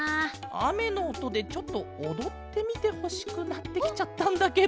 あめのおとでちょっとおどってみてほしくなってきちゃったんだケロ。